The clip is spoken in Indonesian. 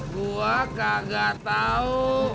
gua kagak tau